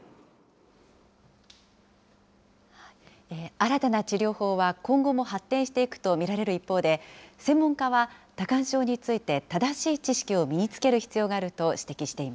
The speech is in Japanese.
新たな治療法は今後も発展していくと見られる一方で、専門家は多汗症について正しい知識を身につける必要があると指摘